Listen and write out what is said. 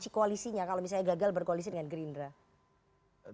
koalisinya kalau misalnya gagal berkoalisi dengan gerindra